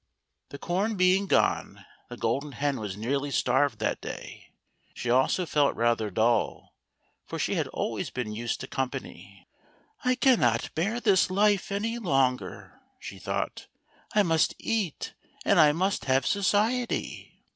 The corn being gone, the Golden Hen was nearly starved that day ; she also felt rather dull, for she hatl always been used to company. " I cannot bear this life any longer," she thought, " I must eat and I must have society."